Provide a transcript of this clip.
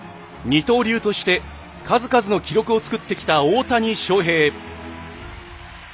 二刀流として数々の記録を作ってきた大谷翔平。